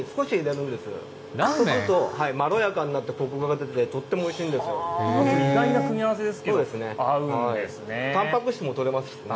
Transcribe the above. そうするとまろやかになって、こくが出て、とってもおいしいんで意外な組み合わせですけど、たんぱく質もとれますしね。